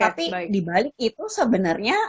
tapi dibalik itu sebenarnya